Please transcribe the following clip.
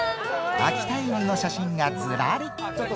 秋田犬の写真がずらり。